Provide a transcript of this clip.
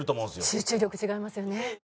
集中力違いますよね。